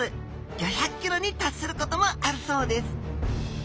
５００ｋｇに達することもあるそうです。